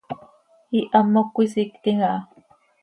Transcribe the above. Ihamoc cöisictim aha.